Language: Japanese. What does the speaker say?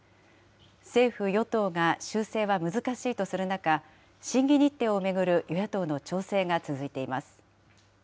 政府・与党が修正は難しいとする中、審議日程を巡る与野党の調整が続いています。